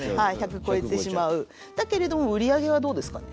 だけれども売り上げはどうですかね？